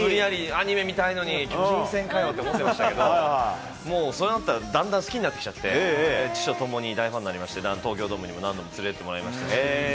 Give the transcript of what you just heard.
アニメ見たいのに巨人戦かよと思ってましたけど、もうそうなったらだんだん好きになってきちゃって、父と共に大ファンになりまして、東京ドームに何度も連れて行ってもらいました。